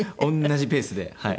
同じペースではい。